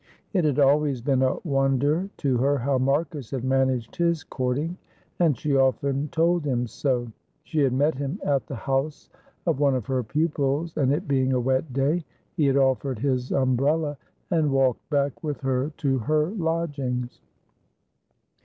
It had always been a wonder to her how Marcus had managed his courting, and she often told him so. She had met him at the house of one of her pupils, and, it being a wet day, he had offered his umbrella, and walked back with her to her lodgings.